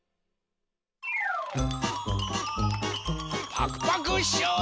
パクパクショー！